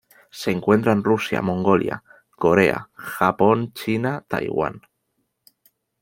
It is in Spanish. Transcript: Se encuentra en Rusia Mongolia, Corea, Japón China Taiwán.